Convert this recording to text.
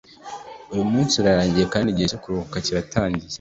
uyu munsi urarangiye, kandi igihe cyo kuruhuka kirarangiye